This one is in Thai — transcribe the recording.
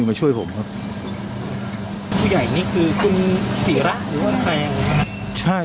สวัสดีครับคุณผู้ชม